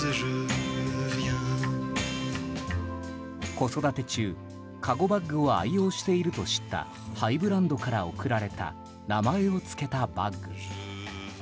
子育て中、かごバッグを愛用していると知ったハイブランドから贈られた名前を付けたバッグ。